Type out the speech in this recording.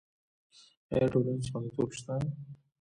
آیا ټولنیز خوندیتوب شته؟